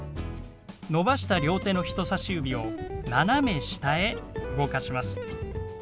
伸ばした両手の人さし指を斜め下へ動かします。